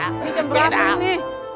ini jam berapa ini